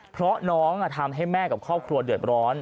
เพราะน้องทำให้แม่กับครอบครัวเดือดร้อน